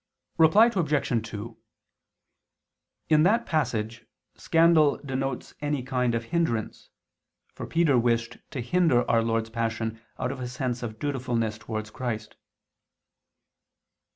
Reply Obj. 2: In that passage scandal denotes any kind of hindrance: for Peter wished to hinder Our Lord's Passion out of a sense of dutifulness towards Christ.